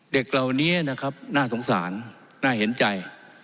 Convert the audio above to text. เด็กเหล่านี้นะครับน่าสงสารน่าเห็นใจ